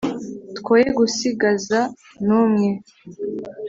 twoye gusigaza n'umwe